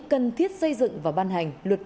cần thiết xây dựng và ban hành luật